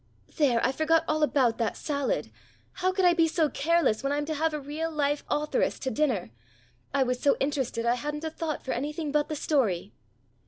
"There! I forgot all about that salad. How could I be so careless when I'm to have a real live authoress to dinner? I was so interested I hadn't a thought for anything but the story."